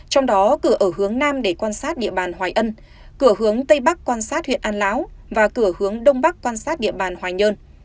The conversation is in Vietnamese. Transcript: trong đó cửa ở hướng nam để quan sát địa bàn hoài ân cửa hướng tây bắc quan sát huyện an lão và cửa hướng đông bắc quan sát địa bàn hoài nhơn